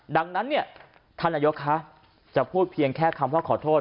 ดังนั้นเนี่ยท่านนายกคะจะพูดเพียงแค่คำว่าขอโทษ